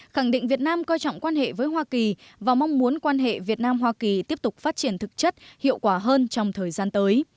khẳng định việt nam coi trọng quan hệ với hoa kỳ và mong muốn quan hệ việt nam hoa kỳ tiếp tục phát triển thực chất hiệu quả hơn trong thời gian tới